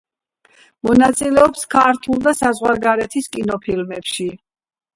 მონაწილეობს ქართულ და საზღვარგარეთის კინოფილმებში.